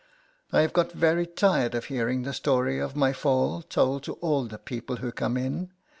I have got very tired of hearing the story of my fall told to all the people who come in.